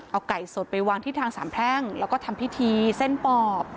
เอาไก่สดไปวางที่ทางสามแพร่งแล้วก็ทำพิธีเส้นปอบ